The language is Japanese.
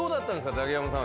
ザキヤマさん